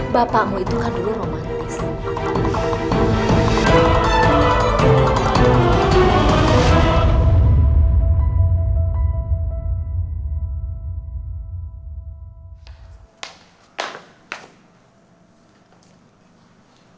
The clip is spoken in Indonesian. bapakmu itu kan dulu romantis